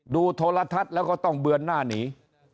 โทรทัศน์แล้วก็ต้องเบือนหน้าหนี